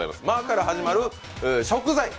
「ま」から始まる食材。